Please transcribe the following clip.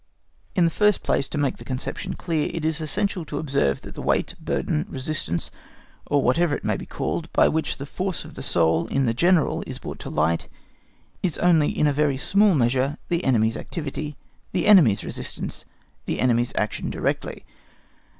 In the first place, to make the conception clear, it is essential to observe that the weight, burden, resistance, or whatever it may be called, by which that force of the soul in the General is brought to light, is only in a very small measure the enemy's activity, the enemy's resistance, the enemy's action directly.